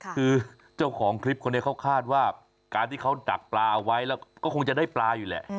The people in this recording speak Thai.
คือเจ้าของคลิปคนนี้เขาคาดว่าการที่เขาดักปลาเอาไว้แล้วก็คงจะได้ปลาอยู่แหละ